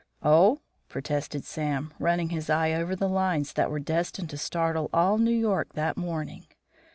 "Oh!" protested Sam, running his eye over the lines that were destined to startle all New York that morning.